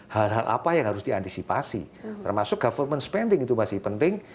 hal hal apa yang harus diantisipasi termasuk government spending itu masih penting